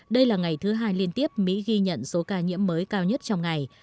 đây là ngày thứ hai liên tiếp mỹ ghi nhận số ca nhiễm mới cao nhất trong ngày